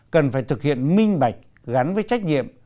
cần phải thực hiện minh bạch gắn với trách nhiệm